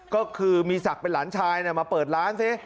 ก็คือมีศักดิ์เป็นหลานชายมาเปิดร้านสิ